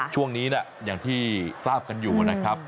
ช่วงนี้อย่างที่ทราบกันอยู่นะครับ